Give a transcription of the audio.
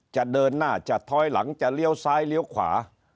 จะเดินหน้าจะถอยหลังจะเลี้ยวซ้ายเลี้ยวขวา